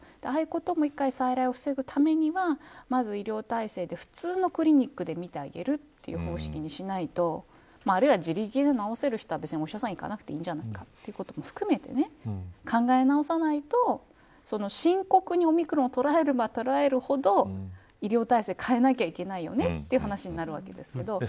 ああいうことの再来を防ぐためにはまず、医療体制で普通のクリニックで見てあげるという方式にしないとあるいは、自力で治せる人は別にお医者さん行かなくていいんじゃないかということも含めて考え直さないと深刻に、オミクロンを捉えれば、捉えるほど医療体制を変えないといけないという話になるわけですけど。